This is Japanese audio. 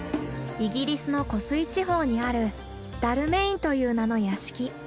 イギリスの湖水地方にあるダルメインという名の屋敷。